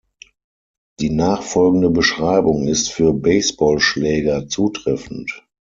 Die nachfolgende Beschreibung ist für Baseballschläger zutreffend.